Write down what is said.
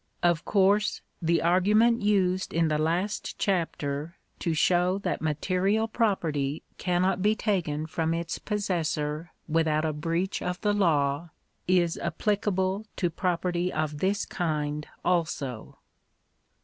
Of course the argument used in the last chapter to show that material property cannot be taken from its possessor without a breach of the law, is applicable to property of this kind also.